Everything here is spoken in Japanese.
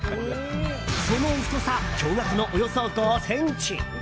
その太さ、驚愕のおよそ５ｃｍ。